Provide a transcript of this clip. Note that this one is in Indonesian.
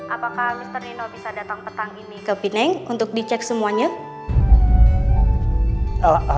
apakah mr nino bisa datang petang ini ke pineng untuk dicek semuanya